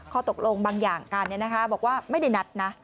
ข้อตกลงบางอย่างกันบอกว่าไม่ได้นัดนะ